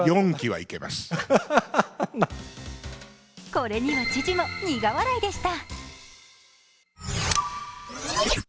これには知事も苦笑いでした。